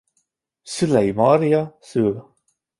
Szülei Maria szül.